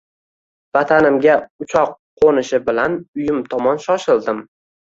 Vatanimga uchoq qoʻnishi bilan uyim tomon shoshildim